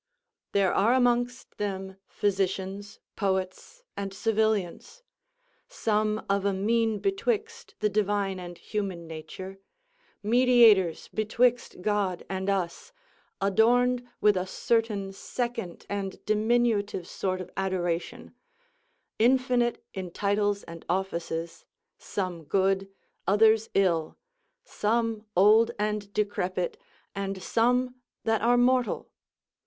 There are amongst them physicians, poets, and civilians. Some of a mean betwixt the divine and human nature; mediators betwixt God and us, adorned with a certain second and diminutive sort of adoration; infinite in titles and offices; some good; others ill; some old and decrepit, and some that are mortal.